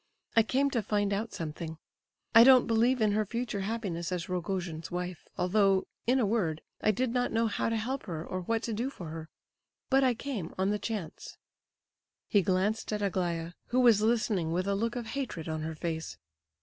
"I came to find out something—I don't believe in her future happiness as Rogojin's wife, although—in a word, I did not know how to help her or what to do for her—but I came, on the chance." He glanced at Aglaya, who was listening with a look of hatred on her face.